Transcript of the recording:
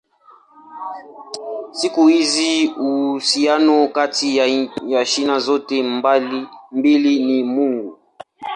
Siku hizi uhusiano kati ya China zote mbili ni mgumu.